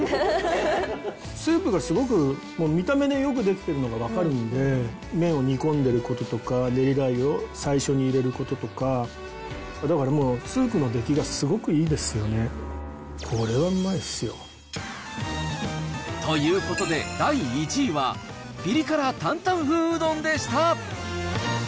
スープがすごく、見た目によく出来てるのが分かるんで、麺を煮込んでることとか、ねりラー油を最初に入れることとか、だからもう、スープの出来がすごくいいですよね。ということで、第１位は、ピリ辛担担風うどんでした。